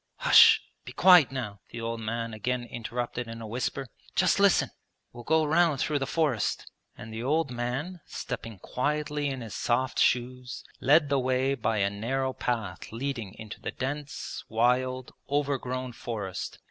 'Hush ... be quiet now!' the old man again interrupted in a whisper: 'just listen, we'll go round through the forest.' And the old man, stepping quietly in his soft shoes, led the way by a narrow path leading into the dense, wild, overgrown forest.